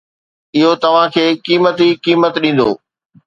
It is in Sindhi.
اهو توهان کي قيمتي قيمت ڏيندو